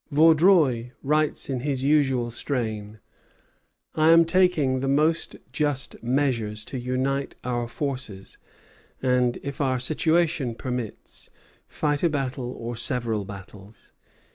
Vaudreuil writes in his usual strain: "I am taking the most just measures to unite our forces, and, if our situation permits, fight a battle, or several battles.